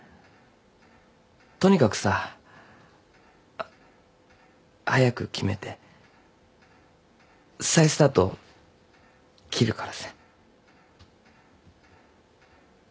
とにかくさ早く決めて再スタート切るからさ。